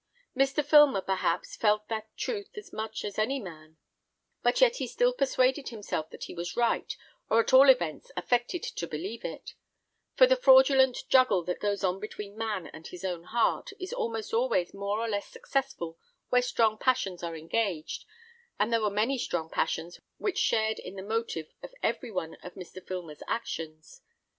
Mr. Filmer perhaps felt that truth as much as any man; but yet he still persuaded himself that he was right, or at all events, affected to believe it; for the fraudulent juggle that goes on between man and his own heart, is almost always more or less successful where strong passions are engaged, and there were many strong passions which shared in the motive of every one of Mr. Filmer's actions.